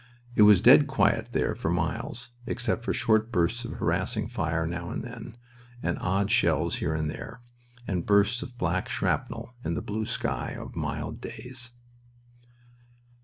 It was dead quiet there for miles, except for short bursts of harassing fire now and then, and odd shells here and there, and bursts of black shrapnel in the blue sky of mild days.